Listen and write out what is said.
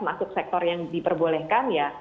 masuk sektor yang diperbolehkan ya